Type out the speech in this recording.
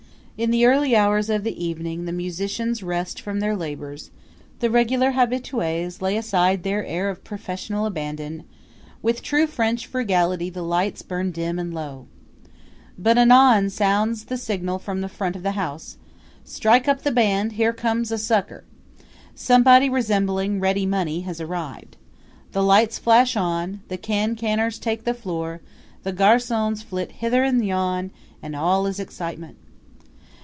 In the early hours of the evening the musicians rest from their labors; the regular habitues lay aside their air of professional abandon; with true French frugality the lights burn dim and low. But anon sounds the signal from the front of the house. Strike up the band; here comes a sucker! Somebody resembling ready money has arrived. The lights flash on, the can canners take the floor, the garcons flit hither and yon, and all is excitement.